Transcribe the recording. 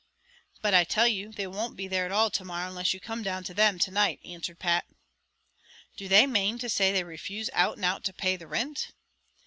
"But I tell you, they won't be there at all to morrow, unless you come down to them to night," answered Pat. "Do they main to say they refuse out and out to pay the rint?"